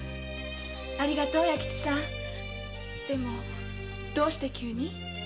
ありがとう弥吉さんでもどうして急に？